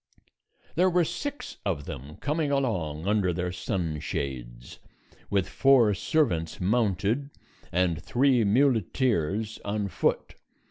There were six of them coming along under their sun shades, with four servants mounted, and three muleteers on foot.